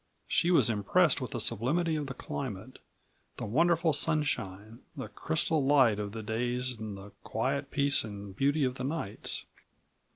She was impressed with the sublimity of the climate, the wonderful sunshine, the crystal light of the days and the quiet peace and beauty of the nights.